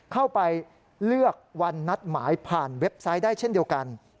เข้าไปเลือกวันนัดหมายผ่านเว็บไซต์ได้เช่นเดียวกัน